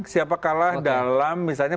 siapa kalah dalam misalnya